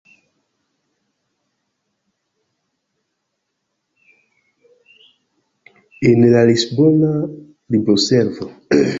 En la Lisbona libroservo.